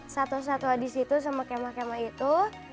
satu satwa di situ sama kemah kemah itu